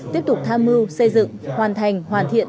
tiếp tục tham mưu xây dựng hoàn thành hoàn thiện